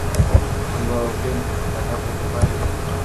আমরা অগ্রিম কিছু টাকা পেতে পারি?